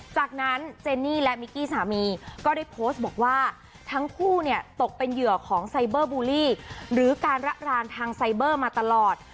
จากนั้นเจนนี่และมิกกี้สามีก็ได้โพสต์บอกว่าทั้งคู่เนี่ยตกเป็นเหยื่อของไซเบอร์บูลลี่หรือการระรานทางไซเบอร์มาตลอด